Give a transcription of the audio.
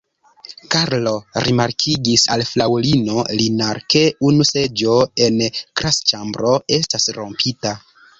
Karlo rimarkigis al Fraŭlino Linar, ke unu seĝo en la klasĉambro estas rompita.